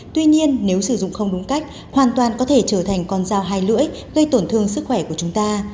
tuy nhiên nếu sử dụng không đúng cách hoàn toàn có thể trở thành con dao hai lưỡi gây tổn thương sức khỏe của chúng ta